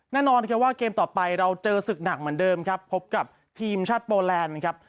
แน่นอนครับว่าเกมต่อไปเราเจอศึกหนักเหมือนเดิมครับพบกับทีมชาติโปแลนด์นะครับ